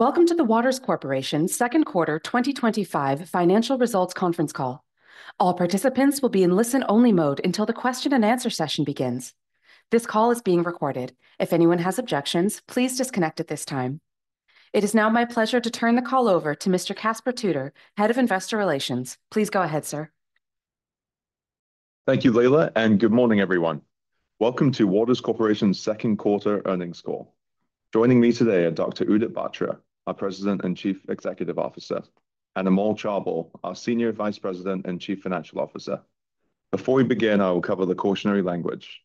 Welcome to the Waters Corporation second quarter 2025 financial results conference call. All participants will be in listen-only mode until the question-and-answer session begins. This call is being recorded. If anyone has objections, please disconnect at this time. It is now my pleasure to turn the call over to Mr. Caspar Tudor, Head of Investor Relations. Please go ahead, sir. Thank you, Leila, and good morning everyone. Welcome to Waters Corporation's second quarter earnings call. Joining me today are Dr. Udit Batra, our President and Chief Executive Officer, and Amol Chaubal, our Senior Vice President and Chief Financial Officer. Before we begin, I will cover the cautionary language.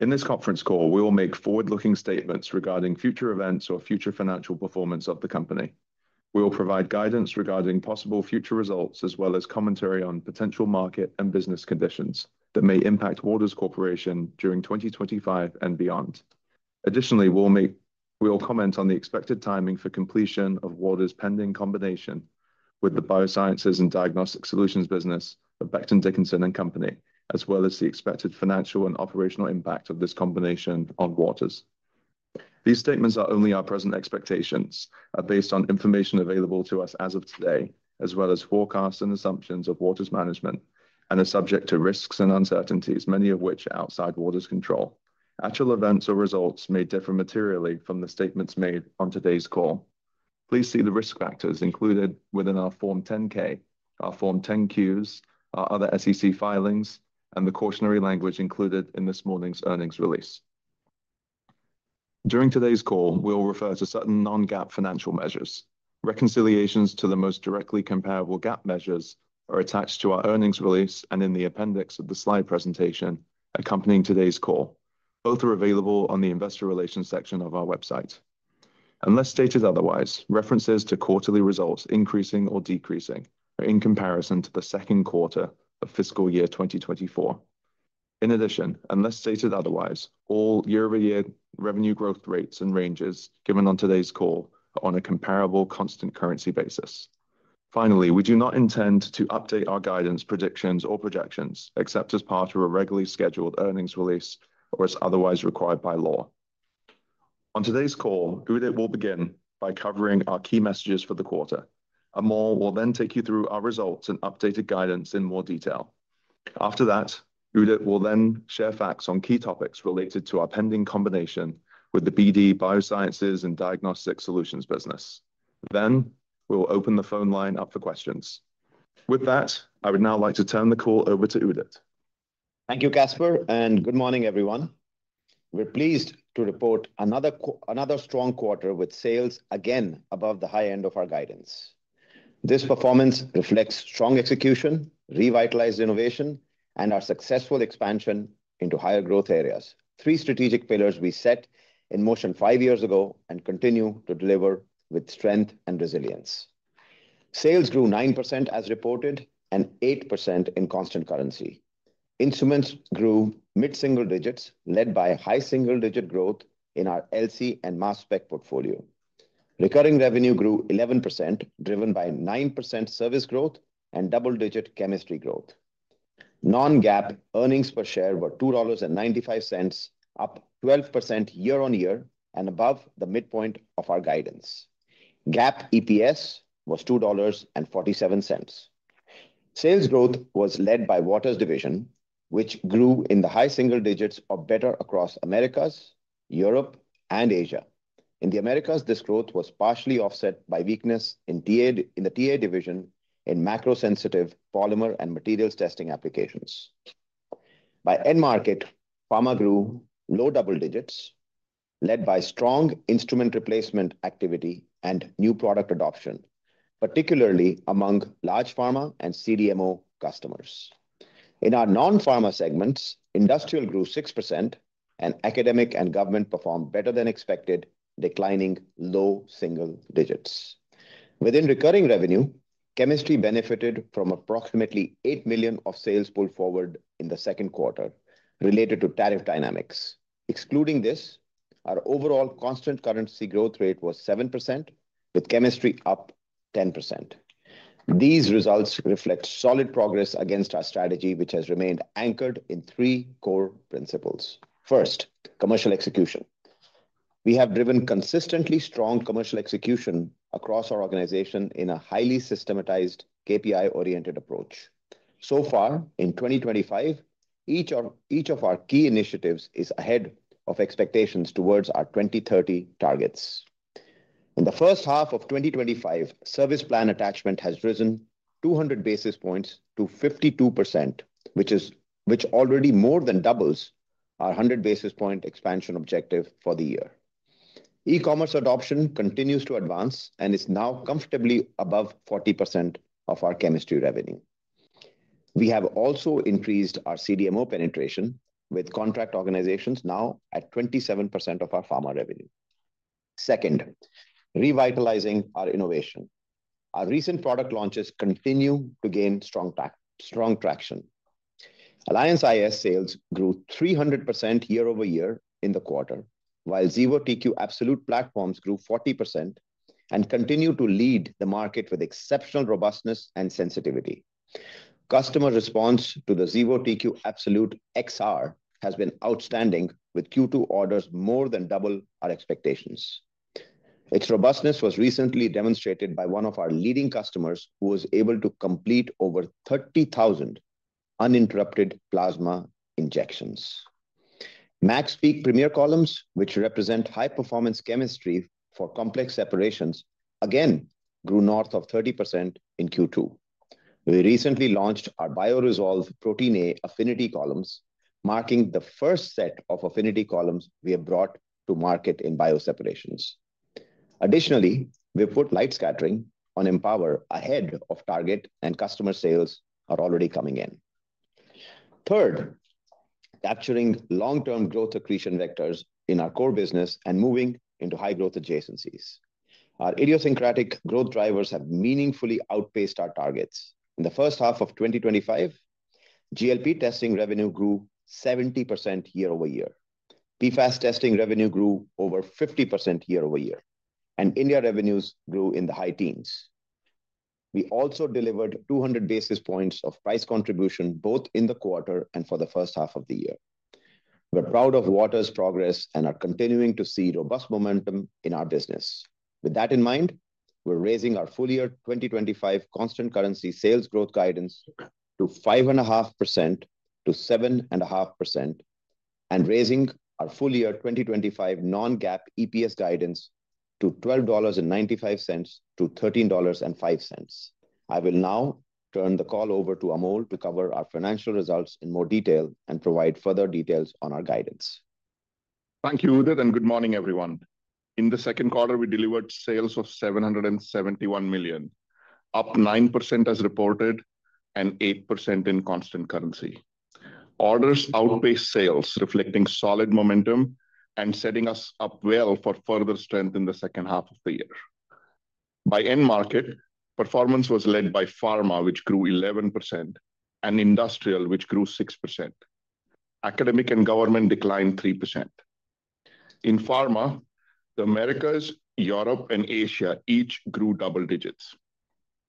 In this conference call, we will make forward-looking statements regarding future events or future financial performance of the company. We will provide guidance regarding possible future results as well as commentary on potential market and business conditions that may impact Waters Corporation during 2025 and beyond. Additionally, we will comment on the expected timing for completion of Waters' pending combination with the Biosciences and Diagnostic Solutions business of Becton, Dickinson and Company. We will also discuss the expected financial and operational impact of this combination on Waters. These statements are only our present expectations, are based on information available to us as of today, as well as forecasts and assumptions of Waters' management, and are subject to risks and uncertainties, many of which are outside Waters' control. Actual events or results may differ materially from the statements made on today's call. Please see the risk factors included within our Form 10-K, our Form 10-Qs, our other SEC filings, and the cautionary language included in this morning's earnings release. During today's call, we will refer to certain non-GAAP financial measures. Reconciliations to the most directly comparable GAAP measures are attached to our earnings release and in the appendix of the slide presentation accompanying today's call. Both are available on the Investor Relations section of our website. Unless stated otherwise, references to quarterly results increasing or decreasing are in comparison to the second quarter of fiscal year 2024. In addition, unless stated otherwise, all year-over-year revenue growth rates and ranges given on today's call are on a comparable constant currency basis. Finally, we do not intend to update our guidance, predictions, or projections except as part of a regularly scheduled earnings release or as otherwise required by law. On today's call, Udit will begin by covering our key messages for the quarter. Amol will then take you through our results and updated guidance in more detail. After that, Udit will then share facts on key topics related to our pending combination with the BD Biosciences and Diagnostic Solutions business. We will open the phone line up for questions. With that, I would now like to turn the call over to Udit. Thank you Caspar and good morning everyone. We're pleased to report another strong quarter with sales again above the high end of our guidance. This performance reflects strong execution, revitalized innovation, and our successful expansion into higher growth areas. Three strategic pillars we set in motion five years ago and continue to deliver with strength and resilience. Sales grew 9% as reported and 8% in constant currency. Instruments grew mid single digits led by high single digit growth in our LC and mass spectrometry portfolio. Recurring revenue grew 11% driven by 9% service growth and double digit chemistry growth. Non-GAAP earnings per share were $2.95, up 12% year-on-year and above the midpoint of our guidance. GAAP EPS was $2.47. Sales growth was led by Waters Division, which grew in the high single digits or better across Americas, Europe, and Asia. In the Americas, this growth was partially offset by weakness in the TA Division in macro sensitive polymer and materials testing applications. By end market, pharma grew low double digits led by strong instrument replacement activity and new product adoption, particularly among large pharma and CDMO customers. In our non-pharma segments, industrial grew 6% and academic and government performed better than expected, declining low single digits. Within recurring revenue, chemistry benefited from approximately $8 million of sales pulled forward in the second quarter related to tariff dynamics. Excluding this, our overall constant currency growth rate was 7% with chemistry up 10%. These results reflect solid progress against our strategy, which has remained anchored in three core principles. First, Commercial Execution. We have driven consistently strong commercial execution across our organization in a highly systematized KPI-oriented approach. So far in 2025, each of our key initiatives is ahead of expectations towards our 2030 targets. In the first half of 2025, service plan attachment has risen 200 basis points to 52%, which already more than doubles our 100 basis point expansion objective for the year. E-commerce adoption continues to advance and is now comfortably above 40% of our chemistry revenue. We have also increased our CDMO penetration with contract organizations now at 27% of our pharma revenue. Second, revitalizing our innovation, our recent product launches continue to gain strong traction. Alliance iS sales grew 300% year-over-year in the quarter while Xevo TQ Absolute platforms grew 40% and continue to lead the market with exceptional robustness and sensitivity. Customer response to the Xevo TQ Absolute XR has been outstanding, with Q2 orders more than double our expectations. Its robustness was recently demonstrated by one of our leading customers who was able to complete over 30,000 uninterrupted plasma injections. MaxPeak Premier columns, which represent high performance chemistry for complex separations, again grew north of 30% in Q2. We recently launched our BioResolve Protein A affinity columns, marking the first set of affinity columns we have brought to market in bio separations. Additionally, we put light scattering on Empower ahead of target, and customer sales are already coming in. Third, capturing long term growth accretion vectors in our core business and moving into high growth adjacencies. Our idiosyncratic growth drivers have meaningfully outpaced our targets. In the first half of 2025, GLP testing revenue grew 70% year-over-year, PFAS testing revenue grew over 50% year-over-year, and India revenues grew in the high teens. We also delivered 200 basis points of price contribution both in the quarter and for the first half of the year. We're proud of Waters' progress and are continuing to see robust momentum in our business. With that in mind, we're raising our full year 2025 constant currency sales growth guidance to 5.5%-7.5% and raising our full year 2025 non-GAAP EPS guidance to $12.95-$13.05. I will now turn the call over to Amol to cover our financial results in more detail and provide further details on our guidance. Thank you, Udit, and good morning, everyone. In the second quarter, we delivered sales of $771 million, up 9% as reported and 8% in constant currency. Orders outpaced sales, reflecting solid momentum and setting us up well for further strength in the second half of the year. By end market, performance was led by pharma, which grew 11%, and industrial, which grew 6%. Academic and government declined 3%. In pharma, the Americas, Europe, and Asia each grew double digits.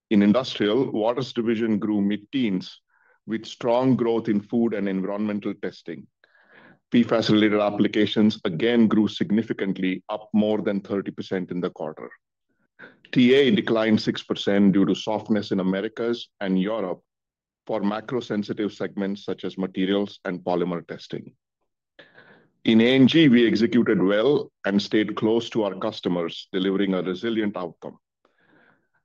In industrial, Waters Division grew mid-teens with strong growth in food and environmental testing. PFAS-related applications again grew significantly, up more than 30% in the quarter. TA declined 6% due to softness in the Americas and Europe for macro-sensitive segments such as materials and polymer testing. In ANG, we executed well and stayed close to our customers, delivering a resilient outcome.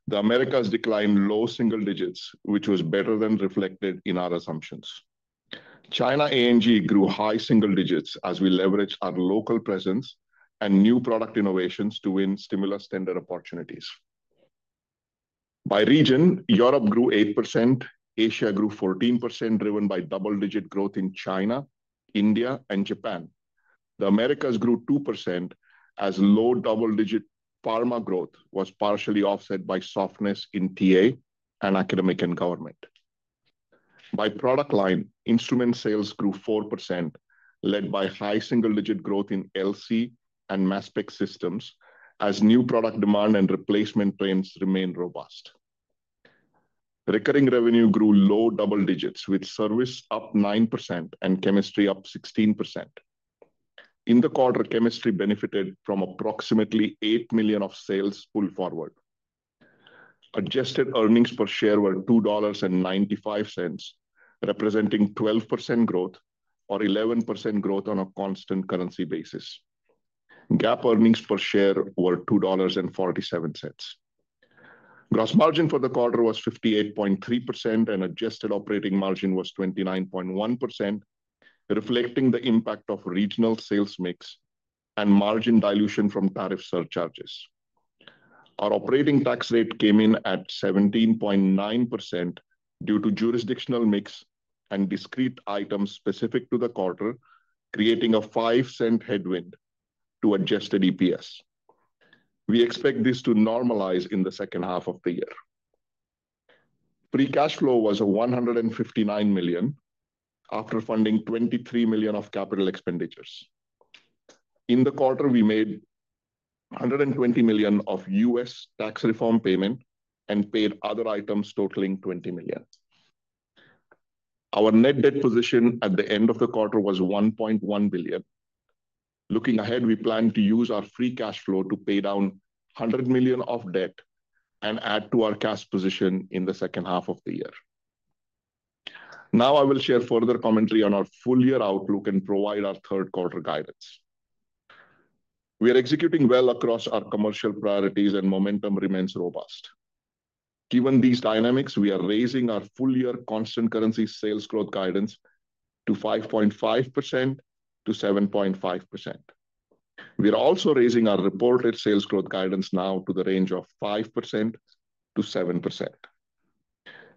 The Americas declined low single digits, which was better than reflected in our assumptions. China ANG grew high single digits as we leveraged our local presence and new product innovations to win stimulus tender opportunities. By region, Europe grew 8%, Asia grew 14%, driven by double-digit growth in China, India, and Japan. The Americas grew 2% as low double-digit pharma growth was partially offset by softness in TA and academic and government. By product line, instrument sales grew 4%, led by high single-digit growth in LC and mass spec systems as new product demand and replacement trends remain robust. Recurring revenue grew low double digits, with service up 9% and chemistry up 16%. In the quarter chemistry benefited from approximately $8 million of sales pulled forward. Adjusted earnings per share were $2.95, representing 12% growth or 11% growth on a constant currency basis. GAAP earnings per share were $2.47. Gross margin for the quarter was 58.3%, and adjusted operating margin was 29.1%, reflecting the impact of regional sales mix and margin dilution from tariff surcharges. Our operating tax rate came in at 17.9% due to jurisdictional mix and discrete items specific to the quarter, creating a $0.05 headwind to adjusted EPS. We expect this to normalize in the second half of the year. Free cash flow was $159 million after funding $23 million of capital expenditures. In the quarter we made a $120 million U.S. tax reform payment and paid other items totaling $20 million. Our net debt position at the end of the quarter was $1.1 billion. Looking ahead, we plan to use our free cash flow to pay down $100 million of debt and add to our cash position in the second half of the year. Now I will share further commentary on our full year outlook and provide our third quarter guidance. We are executing well across our commercial priorities and momentum remains robust. Given these dynamics, we are raising our full year constant currency sales growth guidance to 5.5%-7.5%. We are also raising our reported sales growth guidance now to the range of 5%-7%.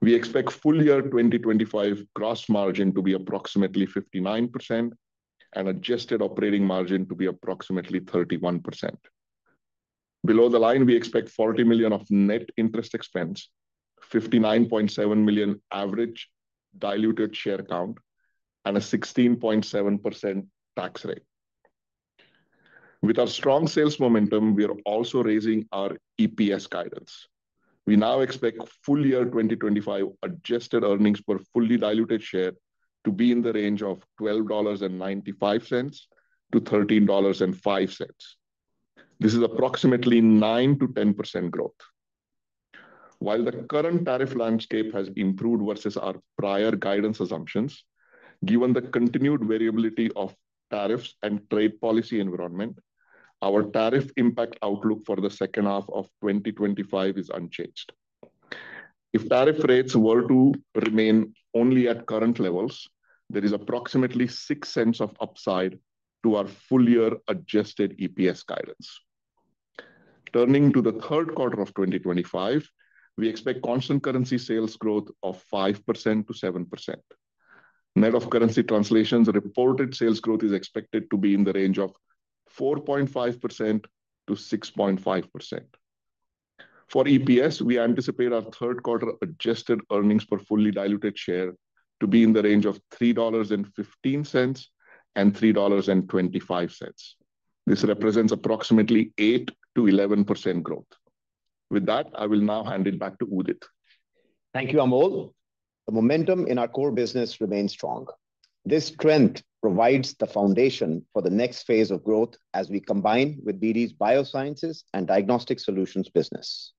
We expect full year 2025 gross margin to be approximately 59% and adjusted operating margin to be approximately 31%. Below the line, we expect $40 million of net interest expense, 59.7 million average diluted share count, and a 16.7% tax rate. With our strong sales momentum, we are also raising our EPS guidance. We now expect full year 2025 adjusted earnings per fully diluted share to be in the range of $12.95-$13.05. This is approximately 9%-10% growth. While the current tariff landscape has improved versus our prior guidance assumptions, given the continued variability of tariffs and trade policy environment, our tariff impact outlook for the second half of 2025 is unchanged. If tariff rates were to remain only at current levels, there is approximately $0.06 of upside to our full year adjusted EPS guidance. Turning to the third quarter of 2025, we expect constant currency sales growth of 5%-7%. Net of currency translations reported sales growth is expected to be in the range of 4.5%-6.5%. For EPS, we anticipate our third quarter adjusted earnings per fully diluted share to be in the range of $3.15-$3.25. This represents approximately 8%-11% growth. With that, I will now hand it back to Udit. Thank you, Amol. The momentum in our core business remains strong. This strength provides the foundation for the next phase of growth as we combine with BD's Biosciences and Diagnostic Solutions business.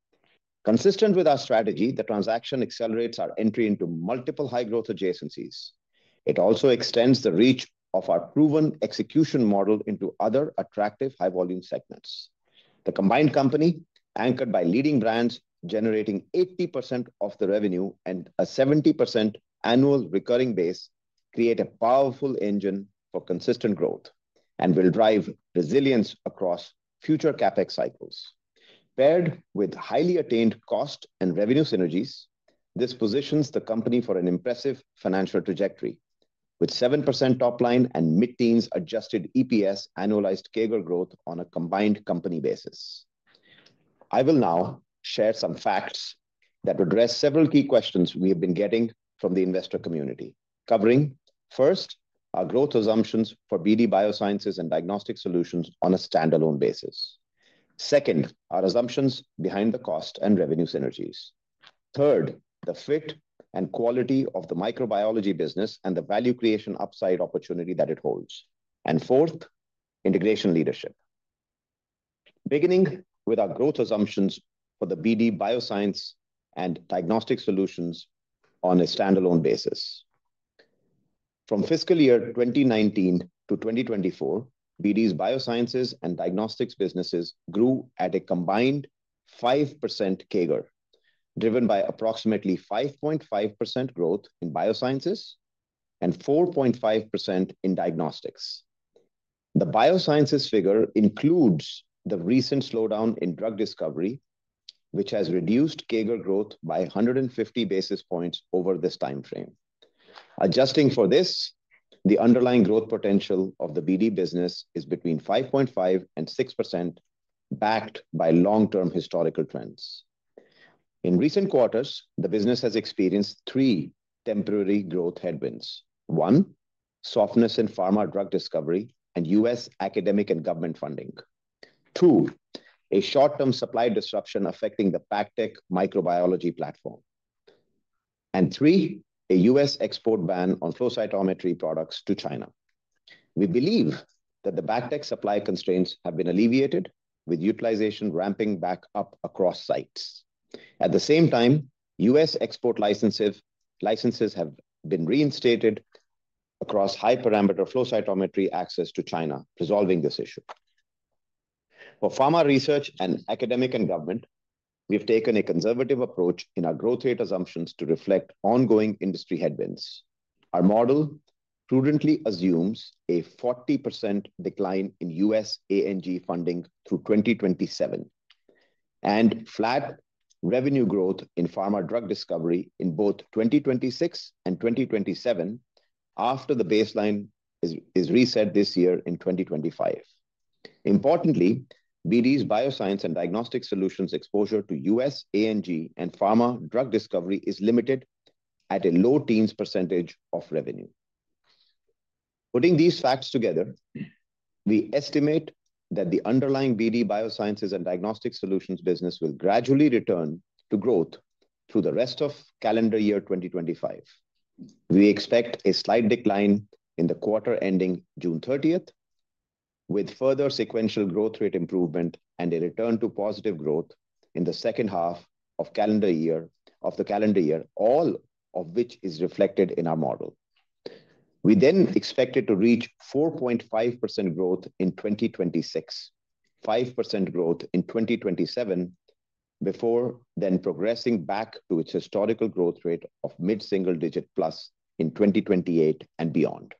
Consistent with our strategy, the transaction accelerates our entry into multiple high-growth adjacencies. It also extends the reach of our proven execution model into other attractive high-volume segments. The combined company, anchored by leading brands generating 80% of the revenue and a 70% annual recurring base, creates a powerful engine for consistent growth and will drive resilience across future CapEx cycles. Paired with highly attained cost and revenue synergies, this positions the company for an impressive financial trajectory with 7% top-line and mid-teens adjusted EPS annualized CAGR growth on a combined company basis. I will now share some facts that address several key questions we have been getting from the investor community, covering first, our growth assumptions for BD Biosciences and Diagnostic Solutions on a standalone basis; second, our assumptions behind the cost and revenue synergies; third, the fit and quality of the microbiology business and the value creation upside opportunity that it holds; and fourth, integration leadership. Beginning with our growth assumptions for the BD Biosciences and Diagnostic Solutions on a standalone basis, from fiscal year 2019 to 2024, BD's Biosciences and Diagnostics businesses grew at a combined 5% CAGR, driven by approximately 5.5% growth in Biosciences and 4.5% in Diagnostics. The Biosciences figure includes the recent slowdown in drug discovery, which has reduced CAGR growth by 150 basis points over this time frame. Adjusting for this, the underlying growth potential of the BD business is between 5.5% and 6%, backed by long-term historical trends. In recent quarters, the business has experienced three temporary growth headwinds. One, softness in pharma drug discovery and U.S. academic and government funding, two, a short-term supply disruption affecting the BACTEC microbiology platform, and three, a U.S. export ban on flow cytometry products to China. We believe that the BACTEC supply constraints have been alleviated, with utilization ramping back up across sites. At the same time, U.S. export licenses have been reinstated across high-parameter flow cytometry access to China resolving this issue. For pharma research and academic and government, we've taken a conservative approach in our growth rate assumptions to reflect ongoing industry headwinds. Our model prudently assumes a 40% decline in U.S. ANG funding through 2027 and flat revenue growth in pharma drug discovery in both 2026 and 2027 after the baseline is reset this year in 2025. Importantly, BD's Biosciences and Diagnostic Solutions exposure to U.S. ANG and pharma drug discovery is limited at a low teens percentage of revenue. Putting these facts together, we estimate that the underlying BD Biosciences and Diagnostic Solutions business will gradually return to growth through the rest of calendar year 2025. We expect a slight decline in the quarter ending June 30th, with further sequential growth rate improvement and a return to positive growth in the second half of the calendar year, all of which is reflected in our model. We then expect to reach 4.5% growth in 2026, 5% growth in 2027 before then progressing back to its historical growth rate of mid single digit plus in 2028 and beyond.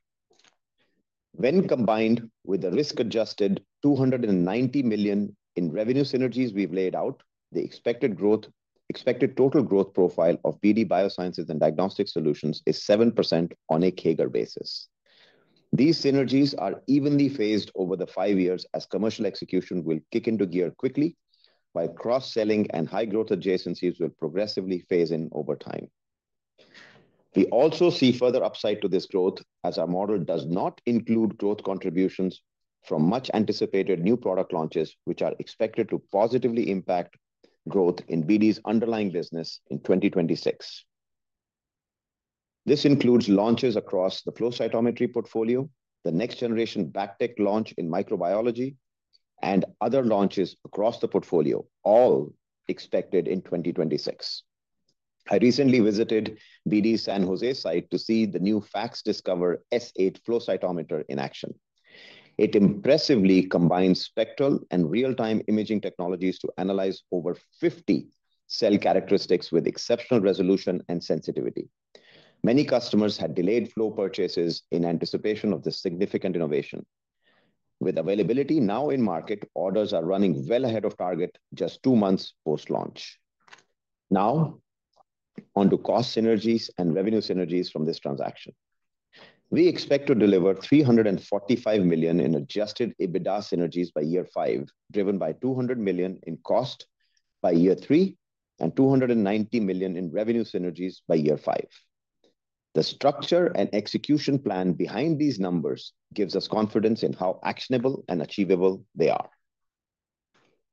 When combined with the risk-adjusted $290 million in revenue synergies we've laid out, the expected total growth profile of BD Biosciences and Diagnostic Solutions is 7% on a CAGR basis. These synergies are evenly phased over the five years as commercial execution will kick into gear quickly while cross selling and high growth adjacencies will progressively phase in over time. We also see further upside to this growth as our model does not include growth contributions from much anticipated new product launches which are expected to positively impact growth in BD's underlying business in 2026. This includes launches across the flow cytometry portfolio, the next generation BACTEC launch in microbiology, and other launches across the portfolio all expected in 2026. I recently visited BD San Jose site to see the new FACS Discover S8 flow cytometer in action. It impressively combines spectral and real time imaging technologies to analyze over 50 cell characteristics with exceptional resolution and sensitivity. Many customers had delayed flow purchases in anticipation of the significant innovation. With availability now in market, orders are running well ahead of target just two months post launch. Now onto cost synergies and revenue synergies from this transaction. We expect to deliver $345 million in adjusted EBITDA synergies by year five, driven by $200 million in cost by year three, and $290 million in revenue synergies by year five. The structure and execution plan behind these numbers gives us confidence in how actionable and achievable they are.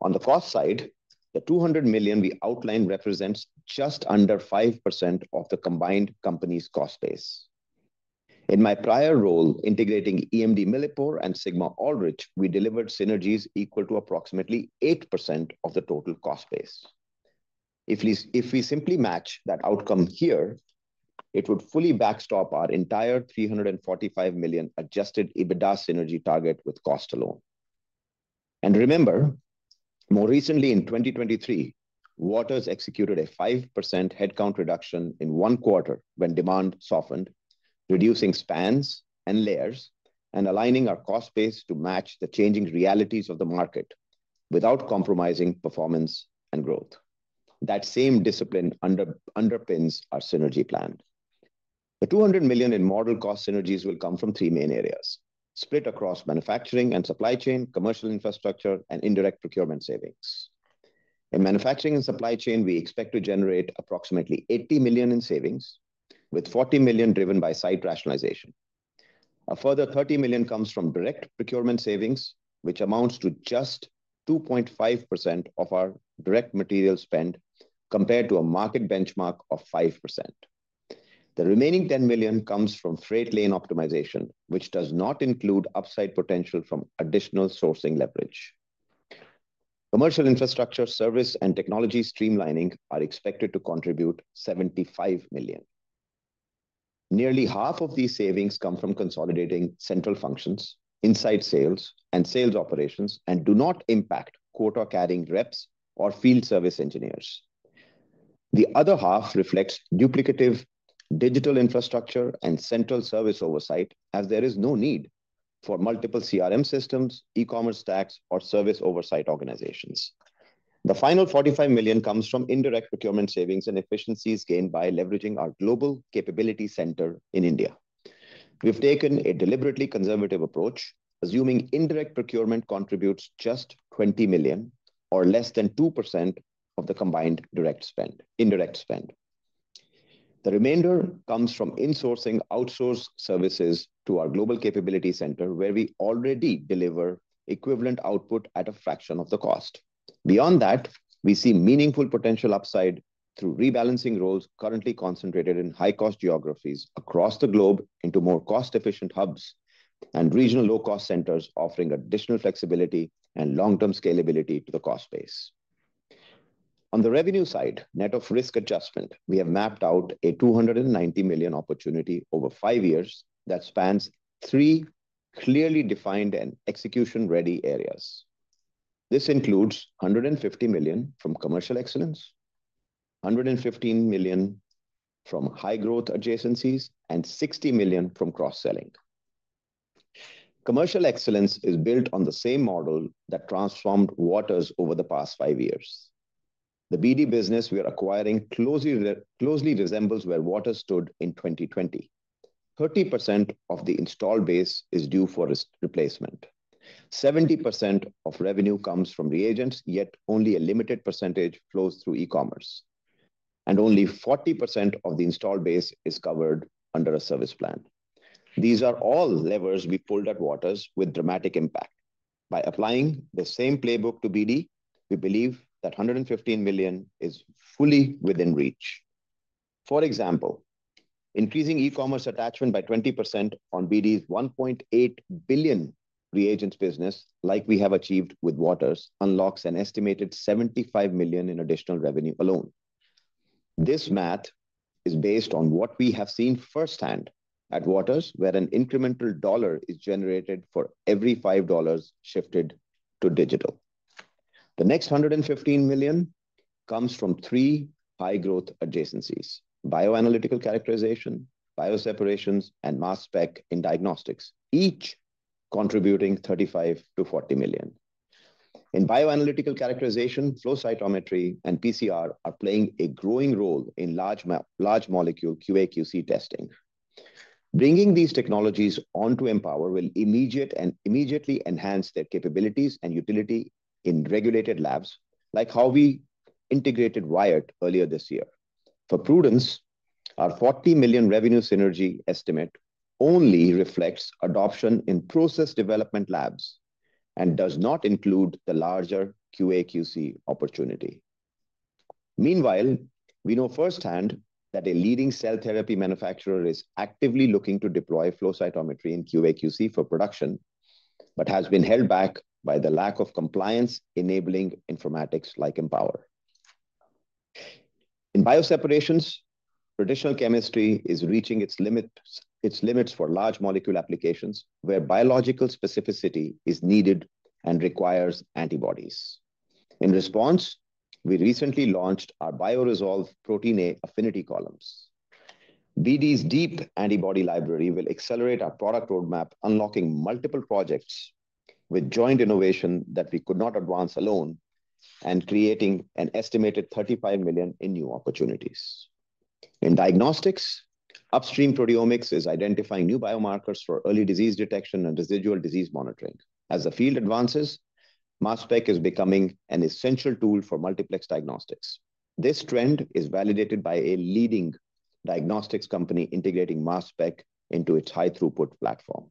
On the cost side, the $200 million we outlined represents just under 5% of the combined company's cost base. In my prior role integrating EMD Millipore and Sigma Aldrich, we delivered synergies equal to approximately 8% of the total cost base. If we simply match that outcome here, it would fully backstop our entire $345 million adjusted EBITDA synergy target with cost alone. Remember, more recently in 2023, Waters executed a 5% headcount reduction in one quarter when demand softened, reducing spans and layers and aligning our cost base to match the changing realities of the market without compromising performance and growth. That same discipline underpins our synergy plan. The $200 million in model cost synergies will come from three main areas split across manufacturing and supply chain, commercial infrastructure, and indirect procurement savings. In manufacturing and supply chain, we expect to generate approximately $80 million in savings with $40 million driven by site rationalization. A further $30 million comes from direct procurement savings, which amounts to just 2.5% of our direct material spend compared to a market benchmark of 5%. The remaining $10 million comes from freight lane optimization, which does not include upside potential from additional sourcing leverage. Commercial infrastructure, service, and technology streamlining are expected to contribute $75 million. Nearly half of these savings come from consolidating central functions, inside sales, and sales operations and do not impact quota-carrying reps or field service engineers. The other half reflects duplicative digital infrastructure and central service oversight, as there is no need for multiple CRM systems, e-commerce stacks, or service oversight organizations. The final $45 million comes from indirect procurement savings and efficiencies gained by leveraging our Global Capability Center in India. We've taken a deliberately conservative approach, assuming indirect procurement contributes just $20 million or less than 2% of the combined indirect spend. The remainder comes from insourcing outsourced services to our Global Capability Center where we already deliver equivalent output at a fraction of the cost. Beyond that, we see meaningful potential upside through rebalancing roles currently concentrated in high-cost geographies across the globe and into more cost-efficient hubs and regional low-cost centers, offering additional flexibility and long-term scalability to the cost base. On the revenue side, net of risk adjustment, we have mapped out a $290 million opportunity over five years that spans three clearly defined and execution-ready areas. This includes $150 million from commercial excellence, $115 million from high-growth adjacencies, and $60 million from cross-selling. Commercial excellence is built on the same model that transformed Waters over the past five years. The BD business we are acquiring closely resembles where Waters stood in 2020. 30% of the installed base is due for replacement, 70% of revenue comes from reagents, yet only a limited percentage flows through e-commerce and only 40% of the installed base is covered under a service plan. These are all levers we pulled at Waters with dramatic impact. By applying the same playbook to BD, we believe that $115 million is fully within reach. For example, increasing e-commerce attachment by 20% on BD's $1.8 billion reagents business, like we have achieved with Waters, unlocks an estimated $75 million in additional revenue alone. This math is based on what we have seen firsthand at Waters, where an incremental dollar is generated for every $5 shifted to digital. The next $115 million comes from three high-growth adjacencies: bioanalytical characterization, bio separations, and mass spectrometry in diagnostics, each contributing $35 to $40 million. In bioanalytical characterization, flow cytometry and PCR are playing a growing role in large molecule QA/QC testing. Bringing these technologies onto Empower will immediately enhance their capabilities and utility in regulated labs, like how we integrated Wired earlier this year. For prudence, our $40 million revenue synergy estimate only reflects adoption in process development labs and does not include the larger QA/QC opportunity. Meanwhile, we know firsthand that a leading cell therapy manufacturer is actively looking to deploy flow cytometry in QA/QC for production, but has been held back by the lack of compliance-enabling informatics like Empower. In bioseparations, traditional chemistry is reaching its limits for large molecule applications where biological specificity is needed and requires antibodies. In response, we recently launched our BioResolve Protein A affinity columns. BD's Deep Antibody Library will accelerate our product roadmap, unlocking multiple projects with joint innovation that we could not advance alone and creating an estimated $35 million in new opportunities. In diagnostics upstream proteomics is identifying new biomarkers for early disease detection and residual disease monitoring. As the field advances, mass spectrometry is becoming an essential tool for multiplex diagnostics. This trend is validated by a leading diagnostics company integrating mass spec into its high-throughput platform.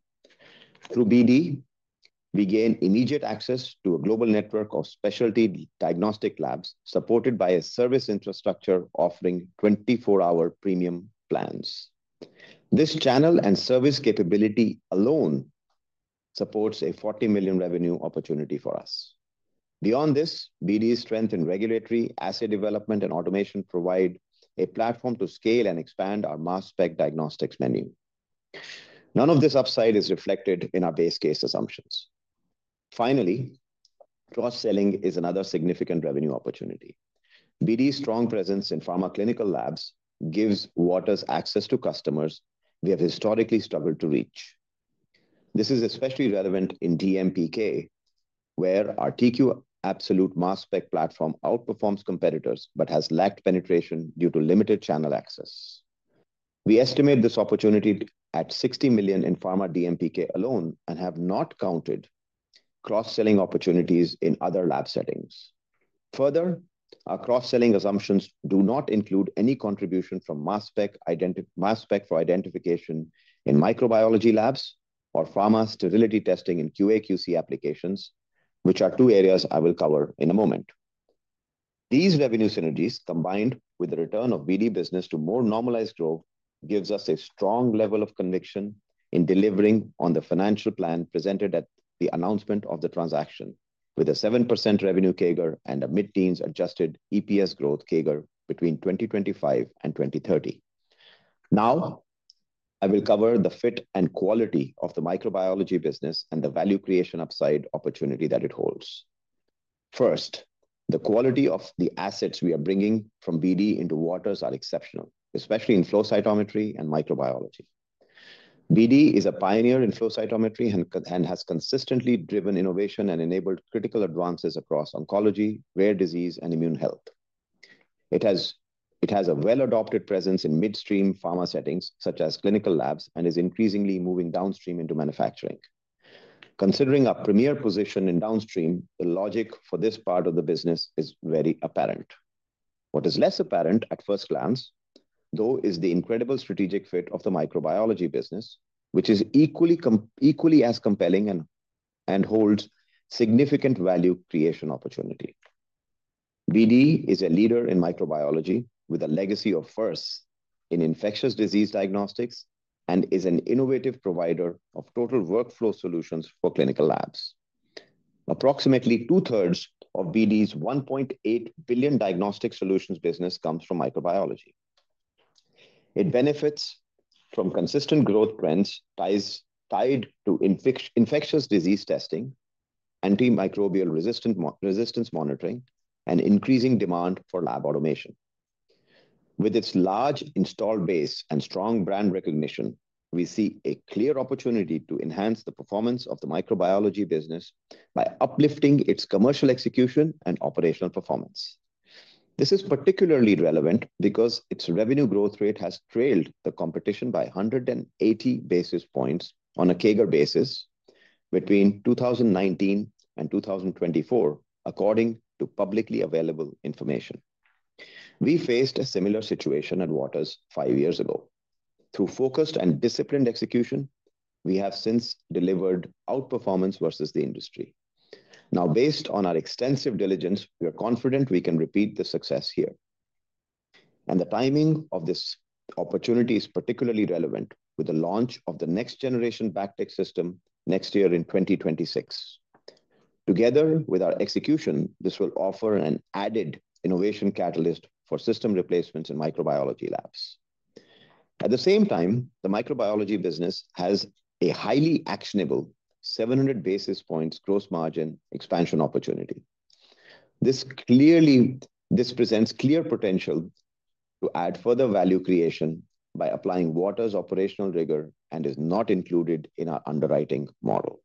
Through BD, we gain immediate access to a global network of specialty diagnostic labs supported by a service infrastructure offering 24-hour premium plans. This channel and service capability alone supports a $40 million revenue opportunity for us. Beyond this, BD's strength in regulatory asset development and automation provide a platform to scale and expand our mass spectrometry diagnostics menu. None of this upside is reflected in our base case assumptions. Finally, cross-selling is another significant revenue opportunity. BD's strong presence in pharma clinical labs gives Waters access to customers they have historically struggled to reach. This is especially relevant in DMPK where our TQ Absolute mass spectrometry platform outperforms competitors but has lacked penetration due to limited channel access. We estimate this opportunity at $60 million in pharma DMPK alone and have not counted cross-selling opportunities in other lab settings. Further, our cross-selling assumptions do not include any contribution from mass spec for identification in microbiology labs or pharma sterility testing in QA/QC applications, which are two areas I will cover in a moment. These revenue synergies combined with the return of BD business to more normalized growth gives us a strong level of conviction in delivering on the financial plan presented at the announcement of the transaction with a 7% revenue CAGR and a mid-teens adjusted EPS growth CAGR between 2025 and 2030. Now I will cover the fit and quality of the microbiology business and the value creation upside opportunity that it holds. First, the quality of the assets we are bringing from BD into Waters are exceptional, especially in flow cytometry and microbiology. BD is a pioneer in flow cytometry and has consistently driven innovation and enabled critical advances across oncology, rare disease, and immune health. It has a well-adopted presence in midstream pharma settings such as clinical labs and is increasingly moving downstream into manufacturing. Considering a premier position in downstream, the logic for this part of the business is very apparent. What is less apparent at first glance though is the incredible strategic fit of the microbiology business, which is equally as compelling and holds significant value creation opportunity. BD is a leader in microbiology with a legacy of firsts in infectious disease diagnostics and is an innovative provider of total workflow solutions for clinical labs. Approximately 2/3 of BD's $1.8 billion Diagnostic Solutions business comes from microbiology. It benefits from consistent growth trends tied to infectious disease testing, antimicrobial resistance monitoring, and increasing demand for lab automation. With its large installed base and strong brand recognition, we see a clear opportunity to enhance the performance of the microbiology business by uplifting its commercial execution and operational performance. This is particularly relevant because its revenue growth rate has trailed the competition by 180 basis points on a CAGR basis between 2019 and 2024, according to publicly available information. We faced a similar situation at Waters five years ago. Through focused and disciplined execution, we have since delivered outperformance versus the industry. Now, based on our extensive diligence, we are confident we can repeat the success here, and the timing of this opportunity is particularly relevant with the launch of the next generation BACTEC system next year in 2026. Together with our execution, this will offer an added innovation catalyst for system replacements in microbiology labs. At the same time, the microbiology business has a highly actionable 700 basis points gross margin expansion opportunity. This presents clear potential to add further value creation by applying Waters' operational rigor and is not included in our underwriting model.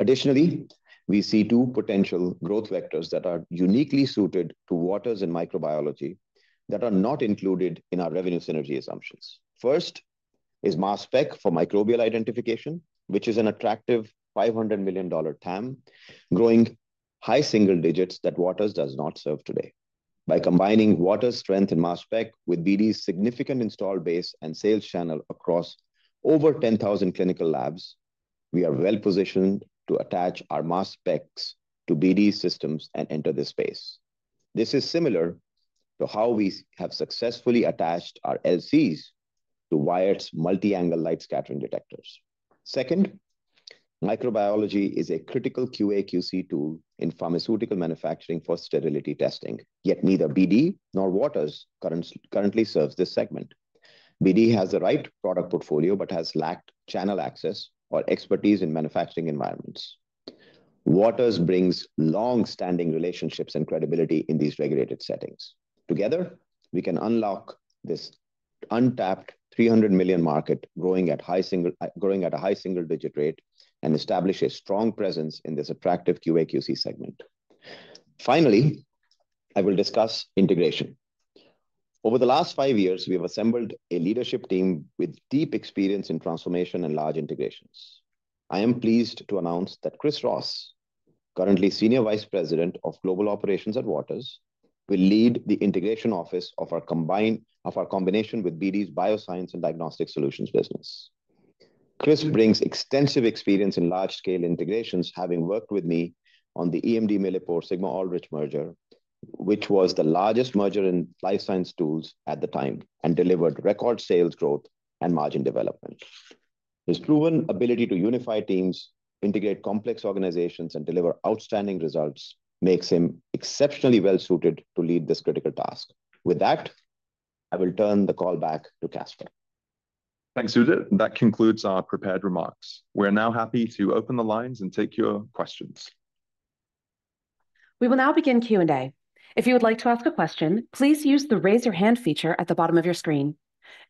Additionally, we see two potential growth vectors that are uniquely suited to Waters and microbiology that are not included in our revenue synergy assumptions. First is mass spec for microbial identification, which is an attractive $500 million TAM growing high single digits that Waters does not serve today. By combining Waters' strength in mass spec with BD's significant installed base and sales channel across over 10,000 clinical labs, we are well positioned to attach our mass specs to BD systems and enter the space. This is similar to how we have successfully attached our LCs to Waters' multi-angle light scattering detectors. Second, microbiology is a critical QA/QC tool in pharmaceutical manufacturing for sterility testing, yet neither BD nor Waters currently serves this segment. BD has the right product portfolio but has lacked channel access or expertise in manufacturing environments. Waters brings longstanding relationships and credibility in these regulated settings. Together we can unlock this untapped $300 million market growing at a high single digit rate and establish a strong presence in this attractive QA/QC segment. Finally, I will discuss integration. Over the last five years, we have assembled a leadership team with deep experience in transformation and large integrations. I am pleased to announce that Chris Ross, currently Senior Vice President of Global Operations at Waters, will lead the integration office of our combination with BD's Biosciences and Diagnostic Solutions business. Chris brings extensive experience in large scale integrations, having worked with me on the EMD Millipore Sigma-Aldrich merger, which was the largest merger in life science tools at the time and delivered record sales growth and margin development. His proven ability to unify teams, integrate complex organizations, and deliver outstanding results makes him exceptionally well suited to lead this critical task. With that, I will turn the call back to Caspar. Thanks Udit. That concludes our prepared remarks. We are now happy to open the lines and take your questions. We will now begin Q&A. If you would like to ask a question, please use the raise your hand feature at the bottom of your screen.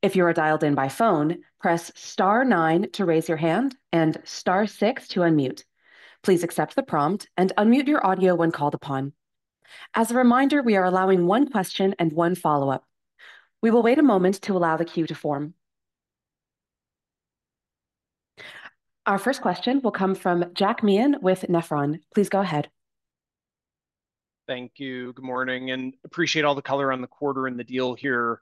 If you are dialed in by phone, press star nine to raise your hand and star six to unmute. Please accept the prompt and unmute your audio when called upon. As a reminder, we are allowing one question and one follow-up. We will wait a moment to allow the queue to form. Our first question will come from Jack Meehan with Nephron. Please go ahead. Thank you, good morning and appreciate all the color on the quarter and the deal here.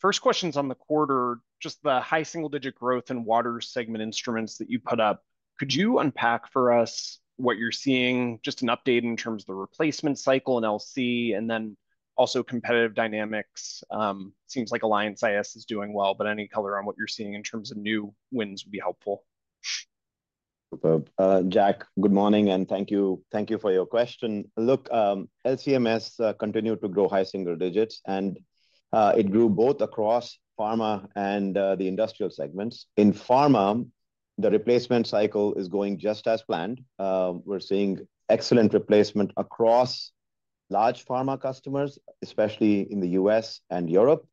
First question's on the quarter. Just the high single digit growth in Waters segment instruments that you put up. Could you unpack for us what you're seeing? Just an update in terms of the replacement cycle and LC and then also competitive dynamics. Seems like Alliance iS is doing well but any color on what you're seeing in terms of new wins would be helpful. Jack, good morning and thank you for your question. Look, LCMS continued to grow high single digits and it grew both across pharma and the industrial segments. In pharma, the replacement cycle is going just as planned. We're seeing excellent replacement across large pharma customers, especially in the U.S. and Europe,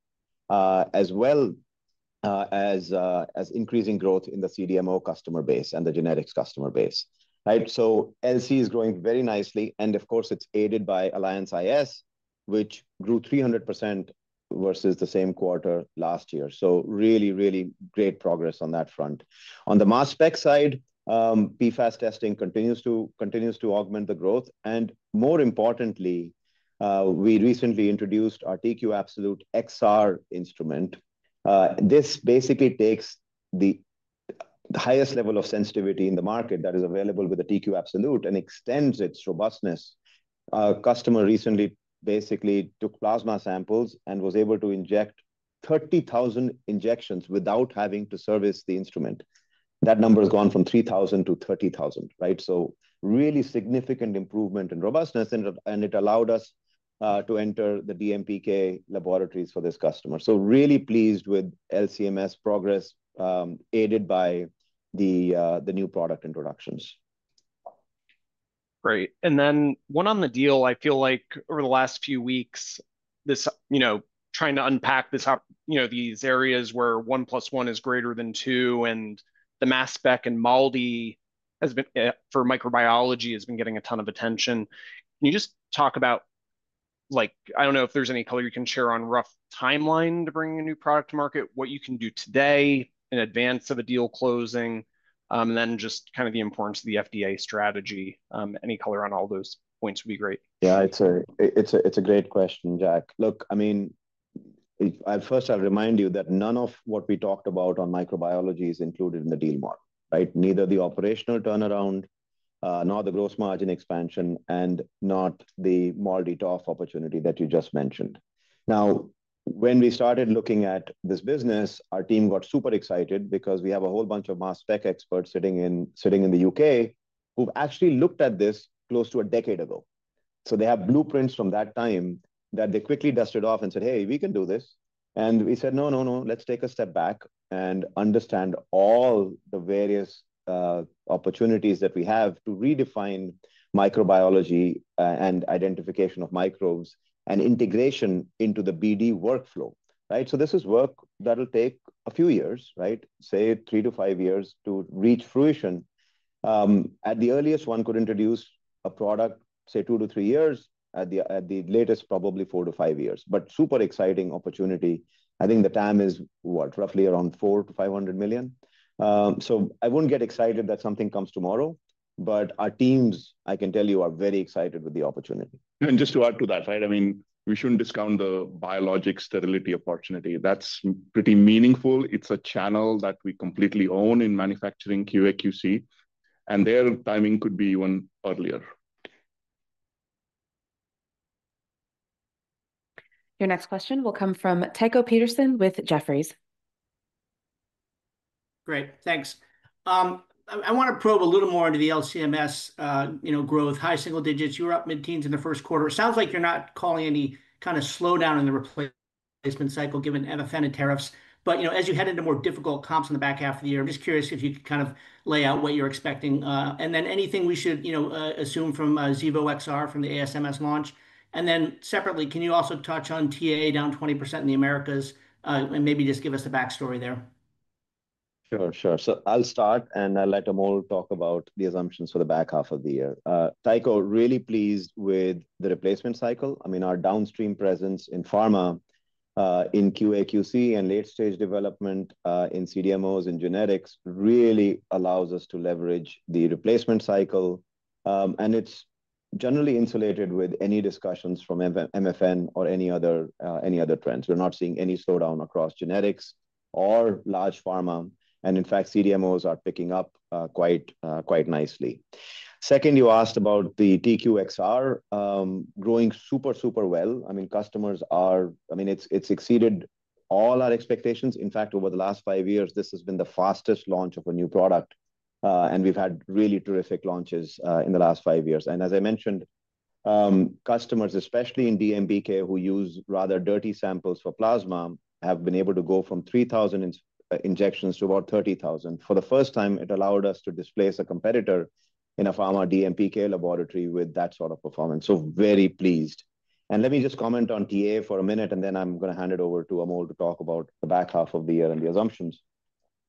as well as increasing growth in the CDMO customer base and the genetics customer base. LC is growing very nicely and of course it's aided by Alliance iS, which grew 300% versus the same quarter last year. Really, really great progress on that front. On the mass spec side, PFAS testing continues to augment the growth and more importantly we recently introduced our TQ Absolute XR instrument. This basically takes the highest level of sensitivity in the market that is available with the TQ Absolute and extends its robustness. Customer recently basically took plasma samples and was able to inject 30,000 injections without having to service the instrument. That number has gone from 3,000 to 30,000. Really significant improvement in robustness and it allowed us to enter the DMPK laboratories for this customer. Really pleased with LCMS progress aided by the new product introductions. Great. One on the deal. I feel like over the last few weeks this, you know, trying to unpack this, you know, these areas where one plus one is greater than two and the mass spec and MALDI for microbiology has been getting a ton of attention. You just talk about like I don't know if there's any color you can share on rough timeline to bring a new product to market. What you can do today in advance of a deal closing, then just kind of the importance of the FDA strategy. Any color on all those points would be great. Yeah, it's a great question, Jack. Look, I mean, first, I'll remind you that none of what we talked about on microbiology is included in the deal more. Right. Neither the operational turnaround nor the gross margin expansion and not the MALDI-TOF opportunity that you just mentioned. When we started looking at this business, our team got super excited because we have a whole bunch of mass spec experts sitting in the U.K. who've actually looked at this close to a decade ago. They have blueprints from that time that they quickly dusted off and said, "Hey, we can do this." We said, "No, no, no. Let's take a step back and understand all the various opportunities that we have to redefine microbiology and identification of microbes and integration into the BD workflow." This is work that'll take a few years, right? Say three to five years to reach fruition. At the earliest, one could introduce a product, say 2 to 3 years; at the latest, probably 4 to 5 years. Super exciting opportunity. I think the TAM is what, roughly around $400 million-$500 million. I won't get excited that something comes tomorrow, but our teams, I can tell you, are very excited with the opportunity. Just to add to that, right, we shouldn't discount the biologic sterility opportunity. That's pretty meaningful. It's a channel that we completely own in manufacturing QA/QC, and their timing could be even earlier. Your next question will come from Tycho Peterson with Jefferies. Great, thanks. I want to probe a little more into the LCMS growth high single digits. You're up mid teens in the first quarter. It sounds like you're not calling any kind of slowdown in the replacement cycle given MFN and tariffs. As you head into more difficult comps in the back half of the year, I'm just curious if you could lay out what you're expecting and then anything we should assume from Xevo XR from the ASMS launch. Separately, can you also touch on TA down 20% in the Americas and maybe just give us a backstory there? Sure, sure. I'll start and I'll let Amol talk about the assumptions for the back half of the year. Tycho, really pleased with the replacement cycle. I mean our downstream presence in pharma in QA/QC and late stage development in CDMOs and genetics really allows us to leverage the replacement cycle. It's generally insulated with any discussions from MFN or any other trends. We're not seeing any slowdown across genetics or large pharma and in fact CDMOs are picking up quite nicely. Second, you asked about the TQ XR growing super, super well. I mean customers are, I mean it's exceeded all our expectations. In fact, over the last five years this has been the fastest launch of a new product and we've had really terrific launches in the last five years. As I mentioned, customers especially in DMPK who use rather dirty samples for plasma have been able to go from 3,000 injections to about 30,000. For the first time, it allowed us to displace a competitor in a pharma DMPK laboratory with that sort of performance. Very pleased. Let me just comment on TA for a minute and then I'm going to hand it over to Amol to talk about the back half of the year and the assumptions.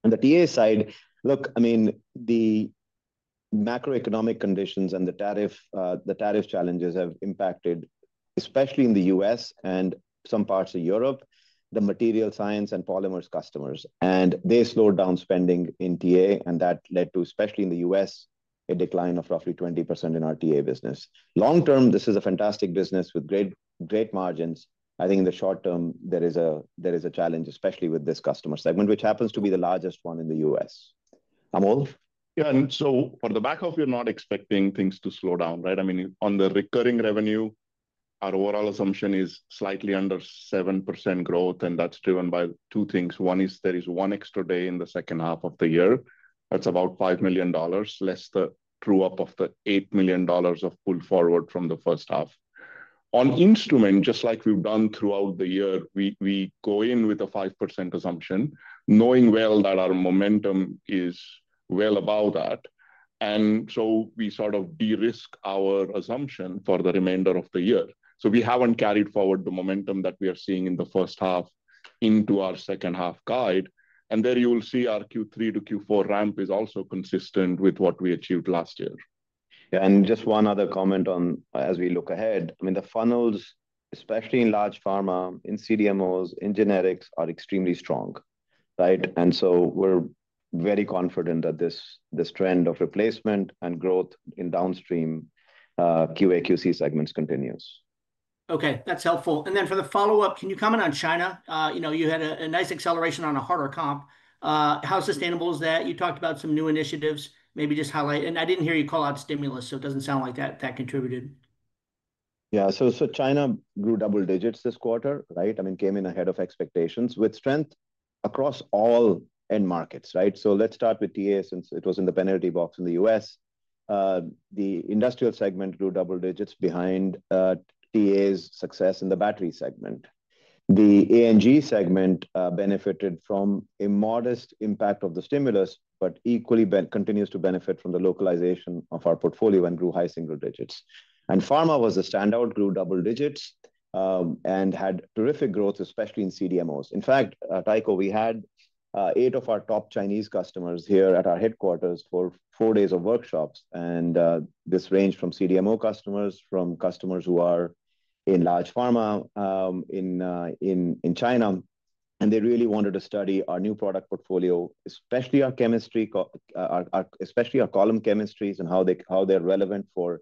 On the TA side, look, the macroeconomic conditions and the tariff challenges have impacted especially in the U.S. and some parts of Europe, the material science and polymers customers. They slowed down spending in TA and that led to, especially in the U.S., a decline of roughly 20% in our TA business. Long term this is a fantastic business with great margins. I think in the short term there is a challenge especially with this customer segment which happens to be the largest one in the U.S. Amol. Yeah. For the back half we are not expecting things to slow down. On the recurring revenue our overall assumption is slightly under 7% growth. That's driven by two things. One is there is one extra day in the second half of the year that's about $5 million, less the throw up of the $8 million of pull forward from the first half. On instrument just like we've done throughout the year, we go in with a 5% assumption knowing well that our momentum is well above that. We sort of de-risk our assumption for the remainder of the year. We haven't carried forward the momentum that we are seeing in the first half into our second half guide, and there you will see our Q3 to Q4 ramp is also consistent with what we achieved last year. Just one other comment as we look ahead, the funnels, especially in large pharma, in CDMOs, in generics, are extremely strong. Right. We're very confident that this trend of replacement and growth in downstream QA/QC segments continues. Okay, that's helpful. For the follow up, can you comment on China? You know, you had a nice acceleration on a harder comp. How sustainable is that? You talked about some new initiatives, maybe just highlight, and I didn't hear you call out stimulus, so it doesn't sound like that contributed. Yeah. China grew double digits this quarter. Right. I mean, came in ahead of expectations with strength across all end markets. Let's start with TA, since it was in the penalty box in the U.S. The industrial segment grew double digits behind TA's success in the battery segment. The ANG segment benefited from a modest impact of the stimulus, but equally continues to benefit from the localization of our portfolio and grew high single digits. Pharma was a standout, grew double digits and had terrific growth, especially in CDMOs. In fact, Tycho, we had eight of our top Chinese customers here at our headquarters for four days of workshops. This ranged from CDMO customers to customers who are in large pharma in China. They really wanted to study our new product portfolio, especially our column chemistries, and how they're relevant for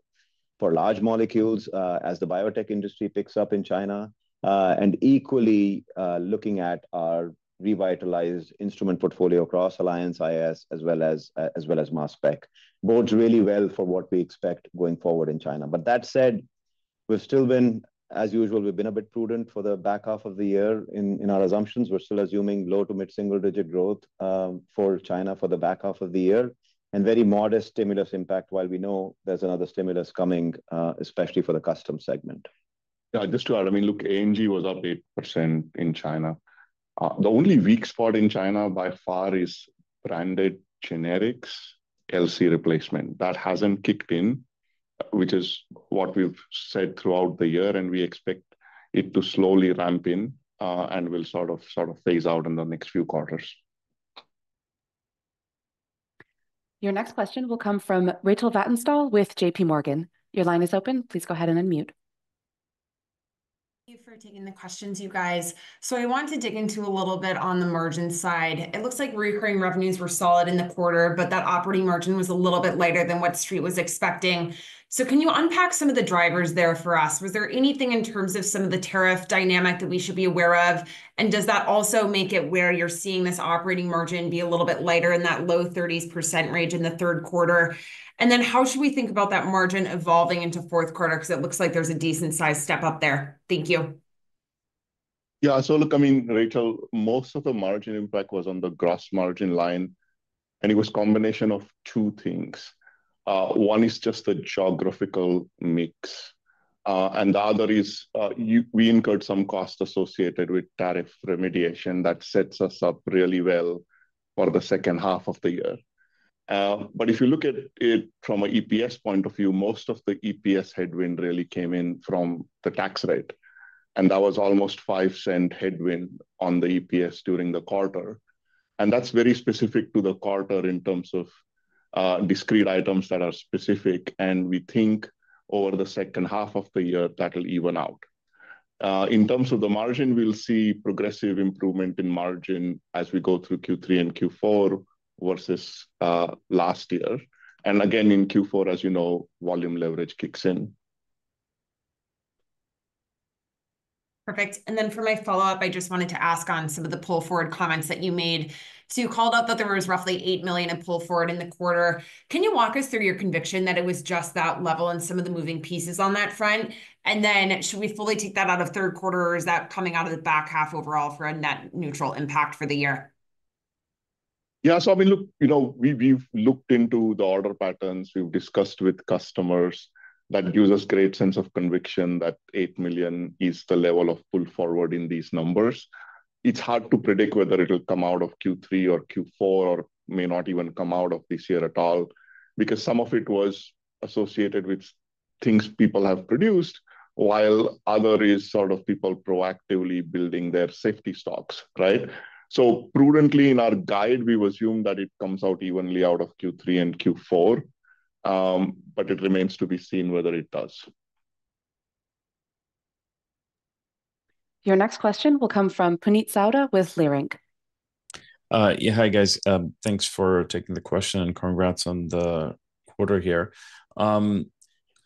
large molecules as the biotech industry picks up in China. Equally, looking at our revitalized instrument portfolio across Alliance iS as well as mass spec bodes really well for what we expect going forward in China. That said, we've still been, as usual, a bit prudent for the back half of the year in our assumptions. We're still assuming low to mid single digit growth for China for the back half of the year and very modest stimulus impact. We know there's another stimulus coming, especially for the custom segment, Look, ANG was up 8% in China. The only weak spot in China by far is branded generics LC replacement. That hasn't kicked in, which is what we've said throughout the year. We expect it to slowly ramp in and will sort of phase out in the next few quarters. Your next question will come from Rachel Vatnasdal with JPMorgan. Your line is open, please go ahead unmute. Thank you for taking the questions, you guys. I wanted to dig into a little bit on the margin side. It looks like recurring revenues were solid in the quarter, but that operating margin was a little bit lighter than what Street was expecting. Can you unpack some of the drivers there for us? Was there anything in terms of some of the tariff dynamic that we should be aware of? Does that also make it where you're seeing this operating margin be a little bit lighter in that low 30% range in the third quarter? How should we think about that margin evolving into fourth quarter? It looks like there's a decent sized step up there. Thank you. Yeah. Look, I mean Rachel, most of the margin impact was on the gross margin line, and it was a combination of two things. One is just the geographical mix, and the other is we incurred some cost associated with tariff remediation that sets us up really well for the second half of the year. If you look at it from an EPS point of view, most of the EPS headwind really came in from the tax rate, and that was almost $0.05 headwinds on the EPS during the quarter. That's very specific to the quarter in terms of discrete items that are specific. We think over the second half of the year that will even out. In terms of the margin, we'll see progressive improvement in margin as we go through Q3 and Q4 versus last year, and again in Q4 as you know, volume leverage kicks in. Perfect. For my follow up, I just wanted to ask on some of the pull forward comments that you made. You called out that there was roughly $8 million in pull forward in the quarter. Can you walk us through your conviction that it was just that level and some of the moving pieces on that front? Should we fully take that out of third quarter, or is that coming out of the back half overall for a net neutral impact for the year? Yeah, so I mean, look, we've looked into the order patterns, we've discussed with customers. That gives us great sense of conviction that $8 million is the level of pull forward in these numbers. It's hard to predict whether it'll come out of Q3 or Q4 or may not even come out of this year at all because some of it was associated with things people have produced while other is sort of people proactively building their safety stocks. Right. Prudently, in our guide we assume that it comes out evenly out of Q3 and Q4, but it remains to be seen whether it does. Your next question will come from Puneet Souda with Leerink. Hi guys, thanks for taking the question and congrats on the order here. I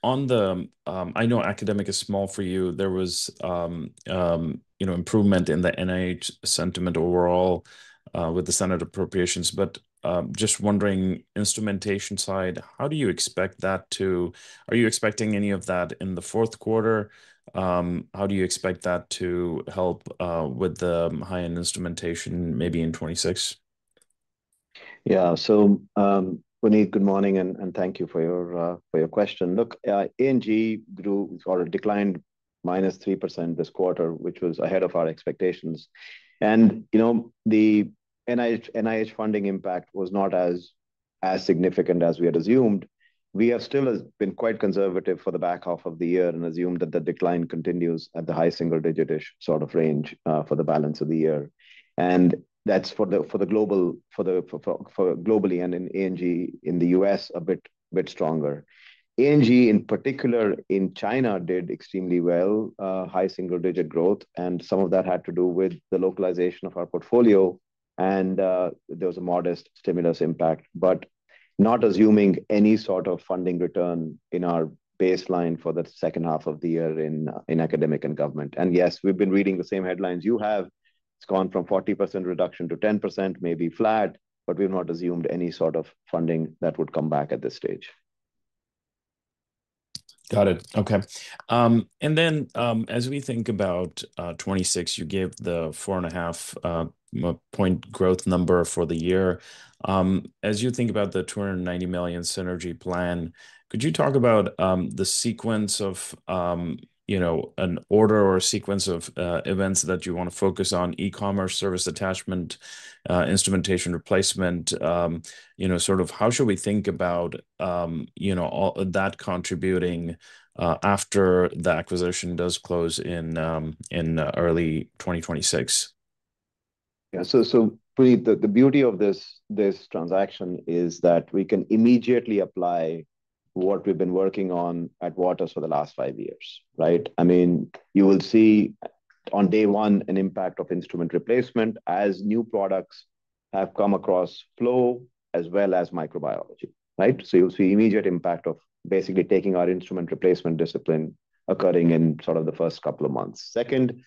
know academic is small for you. There was improvement in the NIH sentiment overall with the Senate appropriations. Just wondering, instrumentation side, are you expecting any of that in the fourth quarter? How do you expect that to help with the high end instrumentation maybe in 2026? Yeah. So Puneet, good morning and thank you for your question. Look, ANG grew or declined -3% this quarter, which was ahead of our expectations. The NIH funding impact was not as significant as we had assumed. We have still been quite conservative for the back half of the year and assumed that the decline continues at the high single digit-ish sort of range for the balance of the year. That's for globally and ANG in the U.S. a bit stronger. ANG in particular in China did extremely well, high single digit growth. Some of that had to do with the localization of our portfolio and there was a modest stimulus impact, but not assuming any sort of funding return in our baseline for the second half of the year in Academic and Government. Yes, we've been reading the same headlines you have. It's gone from 40% reduction to 10%, maybe flat. We've not assumed any sort of funding that would come back at this stage. Got it. Okay. As we think about 2026, you gave the 4.5 point growth number for the year. As you think about the $290 million synergy plan, could you talk about the sequence of, you know, an order or sequence of events that you want to focus on? E-commerce, service attachment, instrumentation replacement, how should we think about that contributing after the acquisition does close in early 2026? Yeah. Puneet, the beauty of this transaction is that we can immediately apply what we've been working on at Waters for the last five years. You will see on day one an impact of instrument replacement as new products have come across, flow as well as microbiology. You'll see immediate impact of basically taking our instrument replacement discipline occurring in the first couple of months. Second,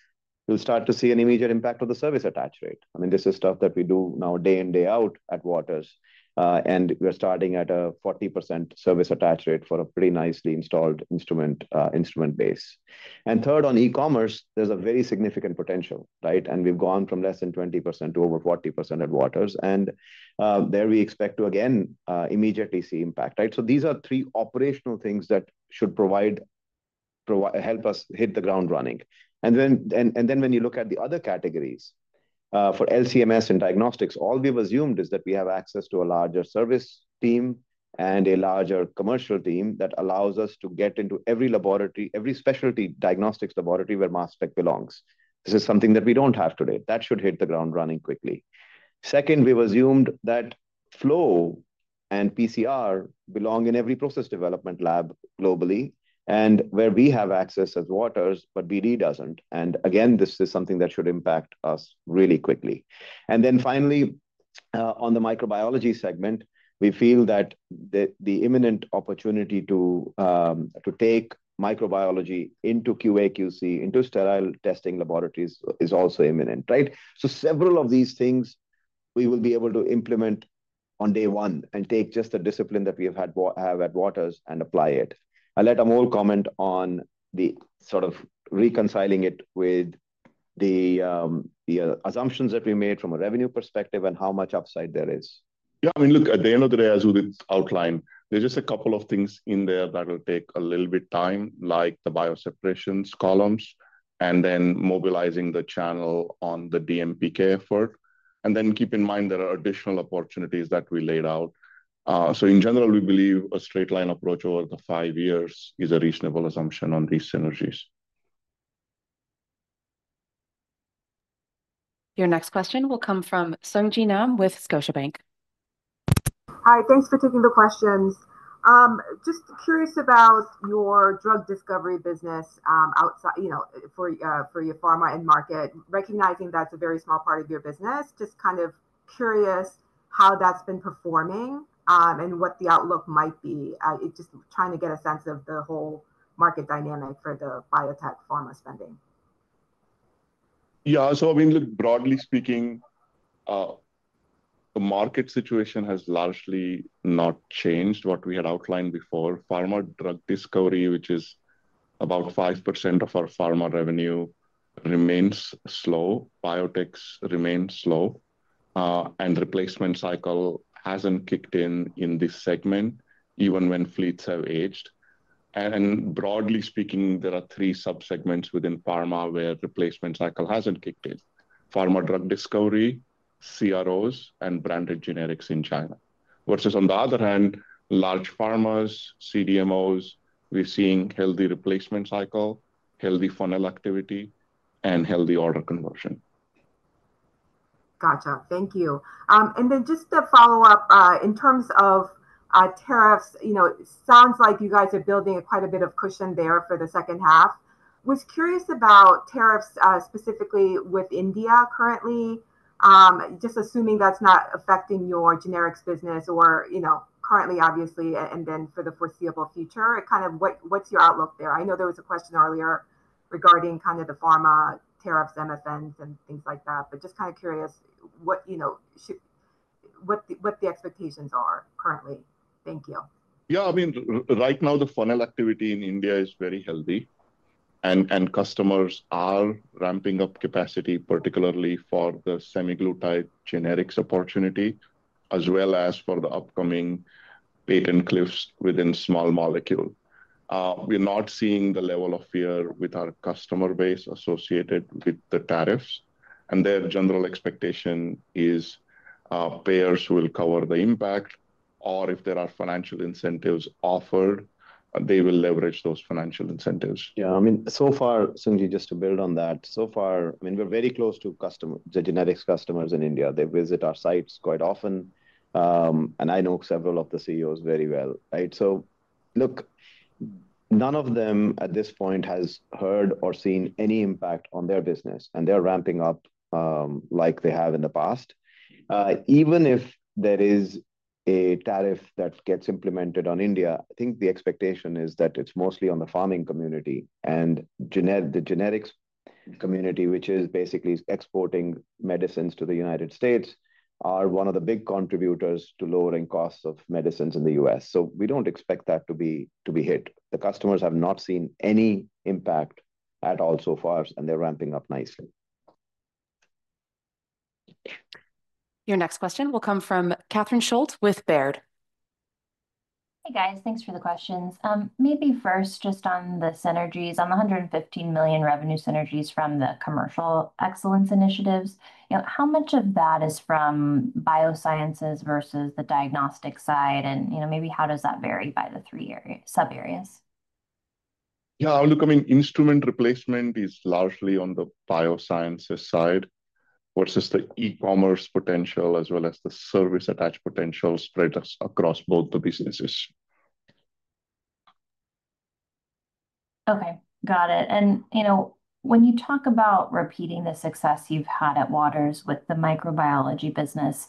you'll start to see an immediate impact of the service attach rate. This is stuff that we do now day in, day out at Waters and we're starting at a 40% service attach rate for a pretty nicely installed instrument base. Third, on e-commerce there's a very significant potential. We've gone from less than 20% to over 40% at Waters. There we expect to again immediately see impact. These are three operational things that should help us hit the ground running. When you look at the other categories for LCMS and Diagnostics, all we've assumed is that we have access to a larger service team and a larger commercial team that allows us to get into every specialty diagnostics laboratory where mass spec belongs. This is something that we don't have today. That should hit the ground running quickly. Second, we've assumed that flow and PCR belong in every process development lab globally and where we have access as Waters, but BD doesn't. This is something that should impact us really quickly. Finally, on the microbiology segment, we feel that the imminent opportunity to take microbiology into QA/QC into sterile testing laboratories is also imminent. Several of these things we will be able to implement on day one and take just the discipline that we have at Waters and apply it. I'll let Amol comment on the sort of reconciling it with the assumptions that we made from a revenue perspective and how much upside there is. Yeah, I mean look at the end of the day as Udit outlined, there's just a couple of things in there that will take a little bit of time, like the bio separations columns and then mobilizing the channel on the DMPK effort. Keep in mind there are additional opportunities that we laid out. In general we believe a straight line approach over the five years is a reasonable assumption on these synergies. Your next question will come from Sung Ji Nam with Scotiabank. Hi, thanks for taking the questions. Just curious about your drug discovery business outside, you know, for your pharma end market. Recognizing that's a very small part of your business, just kind of curious how that's been performing and what the outlook might be. Just trying to get a sense of the whole market dynamic for the biotech pharma spending. Yeah. Broadly speaking, the market situation has largely not changed from what we had outlined before. Pharma drug discovery, which is about 5% of our pharma revenue, remains slow, biotechs remain slow, and the replacement cycle hasn't kicked in in this segment even when fleets have aged. Broadly speaking, there are three subsegments within pharma where the replacement cycle hasn't kicked in: pharma drug discovery, CROs, and branded generics in China. Versus on the other hand, large pharmas, CDMOs are seeing a healthy replacement cycle, healthy funnel activity, and healthy order conversion. Gotcha, thank you. Just to follow up in terms of tariffs, it sounds like you guys are building quite a bit of cushion there for the second half. Was curious about tariffs specifically with India currently. Just assuming that's not affecting your generics business or, you know, currently obviously. For the foreseeable future, what's your outlook there? I know there was a question earlier regarding the pharma tariffs and events and things like that. I'm just kind of curious what the expectations are currently. Thank you. Yeah. I mean right now the funnel activity in India is very healthy, and customers are ramping up capacity, particularly for the semaglutide generics opportunity as well as for the upcoming patent cliffs within Small Molecule. We're not seeing the level of fear with our customer base associated with the tariffs. Their general expectation is payers will cover the impact, or if there are financial incentives offered, they will leverage those financial incentives. Yeah. I mean, so far, Sung Ji, just to build on that. So far, I mean we're very close to genetics customers in India. They visit our sites quite often and I know several of the CEOs very well. Right. None of them at this point has heard or seen any impact on their business and they're ramping up like they have in the past. Even if there is a tariff that gets implemented on India, I think the expectation is that it's mostly on the farming community, and the genetics community, which is basically exporting medicines to the United States, are one of the big contributors to lowering costs of medicines in the U.S. We don't expect that to be hit. The customers have not seen any impact at all so far and they're ramping up nicely. Your next question will come from Catherine Schulte with Baird. Hey guys, thanks for the questions. Maybe first just on the synergies on the $115 million revenue synergies from the commercial excellence initiatives, how much of that is from biosciences versus the diagnostic side? You know, maybe how does that vary by the three areas, sub areas. Yeah, look, I mean instrument replacement is largely on the Biosciences side versus the e-commerce potential as well as the service attached potential spread across both the businesses. Okay, got it. When you talk about repeating the success you've had at Waters with the microbiology business,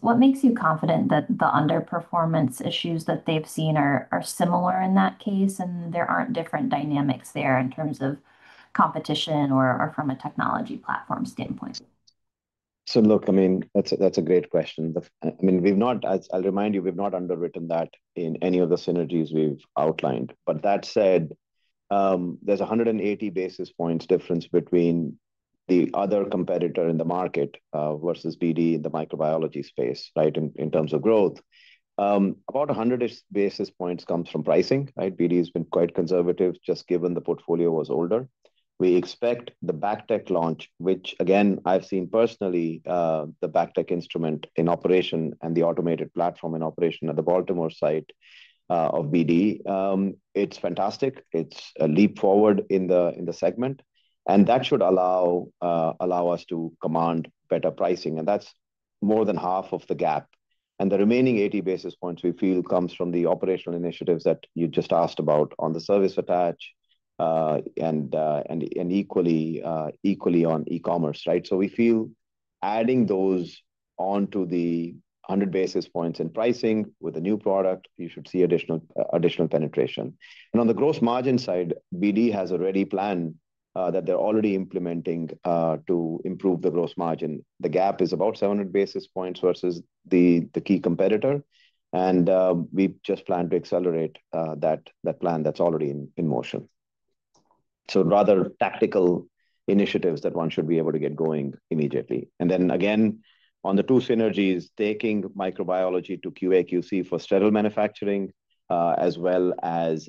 what makes you confident that the underperformance issues that they've seen are similar in that case and there aren't different dynamics there in terms of competition or from a technology platform standpoint? That's a great question. We've not, I'll remind you, we've not underwritten that in any of the synergies we've outlined. That said, there's 180 basis points difference between the other competitor in the market versus BD in the microbiology space. In terms of growth, about 100 basis points comes from pricing. BD has been quite conservative just given the portfolio was older. We expect the BACTEC launch, which again I've seen personally, the BACTEC instrument in operation and the automated platform in operation at the Baltimore site of BD. It's fantastic. It's a leap forward in the segment and that should allow us to command better pricing. That's more than half of the gap. The remaining 80 basis points we feel comes from the operational initiatives that you just asked about on the service plan attachment and equally on e-commerce. We feel adding those onto the 100 basis points in pricing with a new product, you should see additional penetration. On the gross margin side, BD has already planned, they're already implementing to improve the gross margin. The gap is about 7 basis points versus the key competitor and we just plan to accelerate that plan that's already in motion. These are rather tactical initiatives that one should be able to get going immediately. On the two synergies, taking microbiology to QA/QC for sterile manufacturing as well as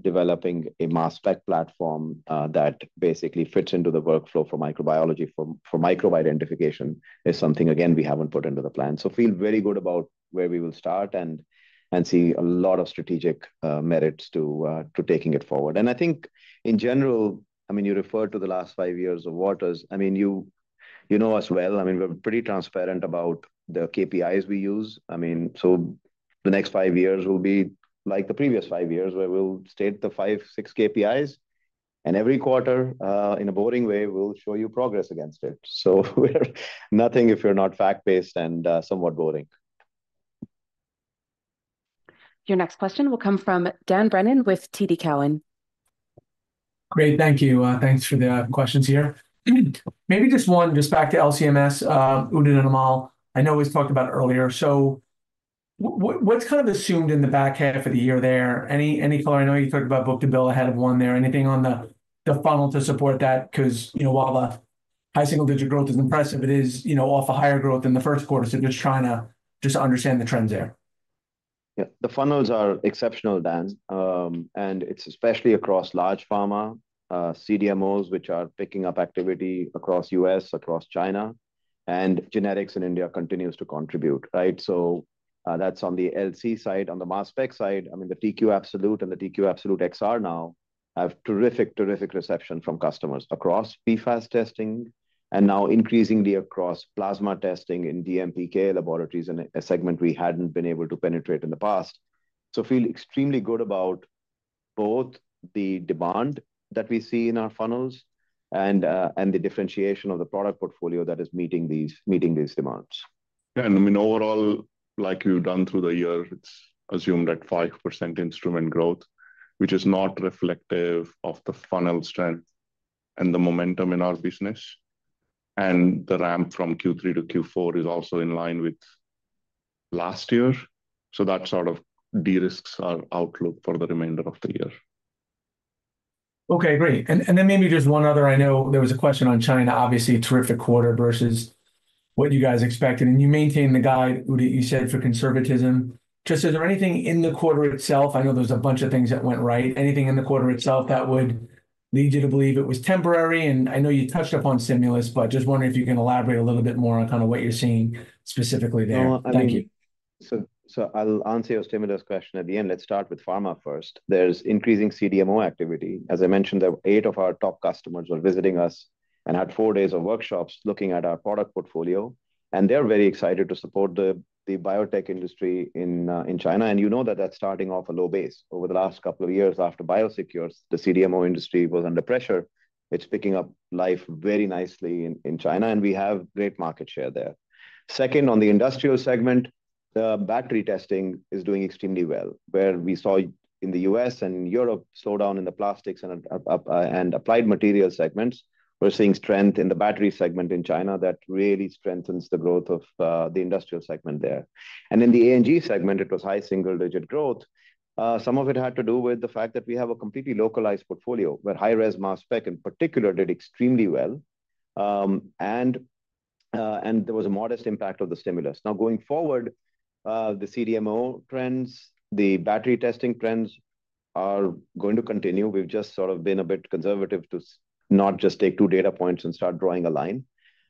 developing a mass spec platform that basically fits into the workflow for microbe identification is something again we haven't put into the plan. I feel very good about where we will start and see a lot of strategic merits to taking it forward. I think in general, you referred to the last five years of Waters, you know as well, we're pretty transparent about the KPIs we use. The next five years will be like the previous five years where we'll state the five or six KPIs and every quarter in a boring way will show you progress against it. Nothing if you're not fact based and somewhat boring. Your next question will come from Dan Brennan with TD Cowen. Great, thank you. Thanks for the questions here. Maybe just one. Just back to LCMS, Udit and Amol. I know we talked about it earlier. What's kind of assumed in the back half of the year there, any color? I know you talked about book to bill ahead of one. Is there anything on the funnel to support that? Because while the high single digit growth is impressive, it is off a higher growth in the first quarter. Just trying to understand the trends there. The funnels are exceptional, Dan. It's especially across large pharma, CDMOs, which are picking up activity across the U.S., across China, and generics in India continue to contribute. That's on the LC side. On the mass spec side, the TQ Absolute and the TQ XR now have terrific, terrific reception from customers across PFAS testing and now increasingly across plasma testing in DMPK laboratories in a segment we hadn't been able to penetrate in the past. I feel extremely good about both the demand that we see in our funnels and the differentiation of the product portfolio that is meeting these demands. Overall, like you've done through the year, it's assumed at 5% instrument growth, which is not reflective of the funnel strength and the momentum in our business. The ramp from Q3 to Q4 is also in line with last year. That sort of de-risks our outlook for the remainder of the year. Okay, great. Maybe just one other. I know there was a question on China. Obviously, terrific quarter versus what you guys expected and you maintain the guide you said for conservatism. Is there anything in the quarter itself? I know there's a bunch of things that went right, anything in the quarter itself that would lead you to believe it was temporary. I know you touched upon stimulus, but just wondering if you can elaborate a little bit more on kind of what you're seeing specifically there. Thank you. I'll answer your stimulus question at the end. Let's start with pharma first. There's increasing CDMO activity. As I mentioned, eight of our top customers were visiting us and had four days of workshops looking at our product portfolio and they're very excited to support the biotech industry in China. You know that that's starting off a low base. Over the last couple of years after biosecures, the CDMO industry was under pressure. It's picking up life very nicely in China and we have great market share there. Second, on the industrial segment, the battery testing is doing extremely well. Where we saw in the U.S. and Europe slowdown in the plastics and applied material segments, we're seeing strength in the battery segment in China. That really strengthens the growth of the industrial segment there. In the ANG segment it was high single digit growth. Some of it had to do with the fact that we have a completely localized portfolio where high res mass spec in particular did extremely well and there was a modest impact of the stimulus. Now going forward, the CDMO trends, the battery testing trends are going to continue. We've just sort of been a bit conservative to not just take two data points and start drawing a line.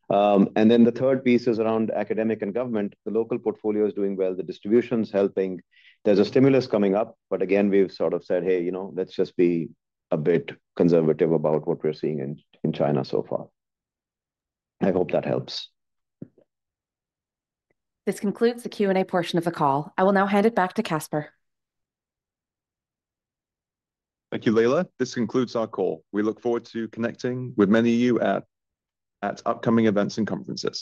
The third piece is around academic and government. The local portfolio is doing well. The distribution is helping. There's a stimulus coming up, but again, we've sort of said, "Hey, you know, let's just be a bit conservative about what we're seeing in China so far." I hope that helps. This concludes the Q&A portion of the call. I will now hand it back to Caspar. Thank you, Layla. This concludes our call. We look forward to connecting with many of you at upcoming events and conferences.